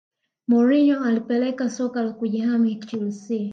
Mourinho alipeleka soka la kujihami chelsea